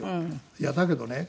いやだけどね